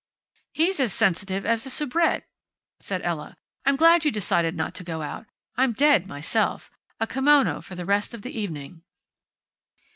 "He's as sensitive as a soubrette," said Ella. "I'm glad you decided not to go out. I'm dead, myself. A kimono for the rest of the evening."